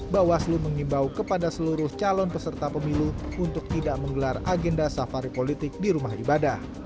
bawaslu mengimbau kepada seluruh calon peserta pemilu untuk tidak menggelar agenda safari politik di rumah ibadah